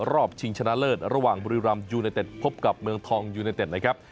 ชิงชนะเลิศระหว่างบุรีรำยูไนเต็ดพบกับเมืองทองยูเนเต็ดนะครับ